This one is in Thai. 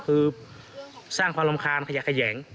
คือสร้างความรำคาญขยะแขยง